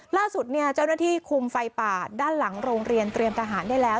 ล่าสุดเจ้าหน้าที่คุมไฟป่าด้านหลังโรงเรียนเตรียมทหารได้แล้ว